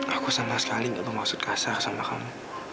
aku sama sekali gak mau maksud kasar sama kamu